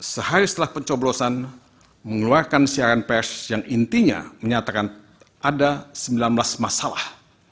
sehari setelah pencoblosan mengeluarkan siaran pers yang intinya menyatakan ada sembilan belas masalah